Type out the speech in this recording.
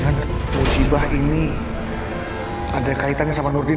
nanti dia keburu kabur yuk